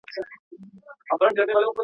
چي د عیش پیمانه نه غواړې نسکوره.